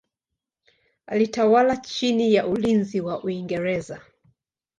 Alitawala chini ya ulinzi wa Uingereza.